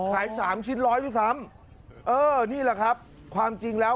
ขายสามชิ้นร้อยที่สามเออนี่แหละครับความจริงแล้ว